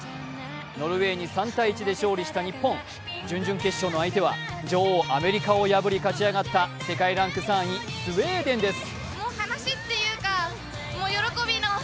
ノルウェーに３−１で勝利した日本、準々決勝の相手は、女王・アメリカを破り勝ち上がった世界ランク３位スウェーデンです。